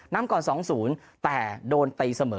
นำก่อน๒๐แต่โดนตีเสมอ